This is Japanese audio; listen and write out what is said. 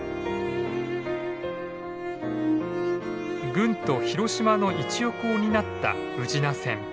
軍都・広島の一翼を担った宇品線。